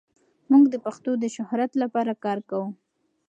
موږ د پښتو د شهرت لپاره کار کوو.